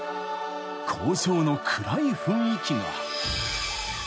［工場の暗い雰囲気が］